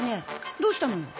どうしたのよ？